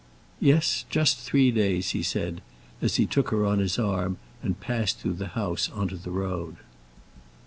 "Yes, just three days," he said, as he took her on his arm and passed through the house on to the road.